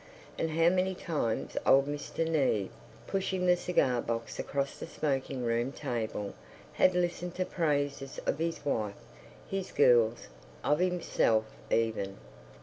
And how many times old Mr. Neave, pushing the cigar box across the smoking room table, had listened to praises of his wife, his girls, of himself even.